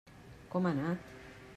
Com ha anat?